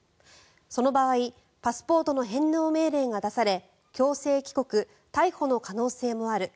その場合パスポートの返納命令が出され強制帰国、逮捕の可能性もある。